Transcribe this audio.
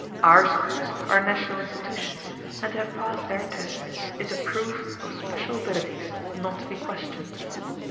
Our schools are national institutions, and to have passed their tests is a proof of special abilities not to be questioned.